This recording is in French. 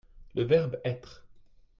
Le verbe être.